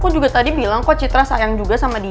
aku juga tadi bilang kok citra sayang juga sama dia